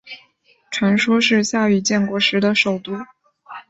传说是夏禹建国时的首都。